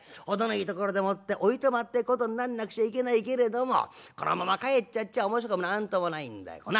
程のいいところでもっておいとまってことになんなくちゃいけないけれどもこのまま帰っちゃっちゃ面白くも何ともないんだよ。